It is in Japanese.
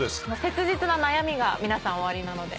切実な悩みが皆さんおありなので。